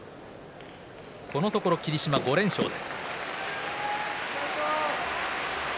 このところ霧島５連勝です。